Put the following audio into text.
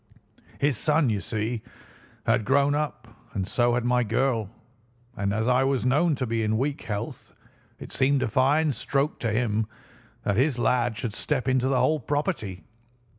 "His son, you see, had grown up, and so had my girl, and as I was known to be in weak health, it seemed a fine stroke to him that his lad should step into the whole property.